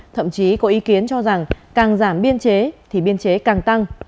thậm chí có ý kiến cho rằng càng giảm biên chế thì biên chế càng tăng